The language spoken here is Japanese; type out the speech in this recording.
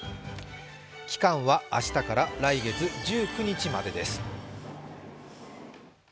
期間は明日から来月１９日までです。